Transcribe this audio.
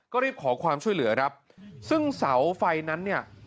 ก็รีบขอความช่วยเหลือซึ่งเสาไฟนั้น